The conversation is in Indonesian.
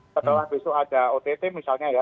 setelah besok ada ott misalnya ya